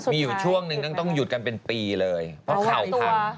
ติดออกพอมอลังติดวิ่งอันนี้หน่อยใช่ไหม